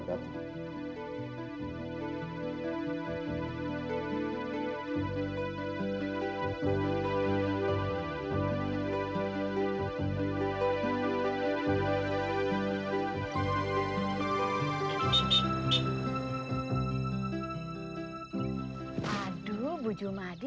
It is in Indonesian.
aduh bu jumadi